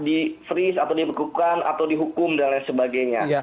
di freeze atau dibekukan atau dihukum dan lain sebagainya